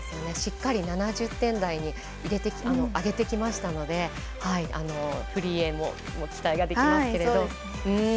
しっかり７０点台に上げてきましたのでフリーへも期待ができますけれども。